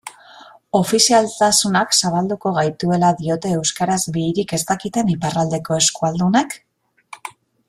Ofizialtasunak salbatuko gaituela diote euskaraz bihirik ez dakiten iparraldeko euskualdunek?